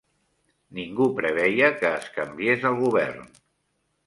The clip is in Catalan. Ningú preveia que es canviés el govern.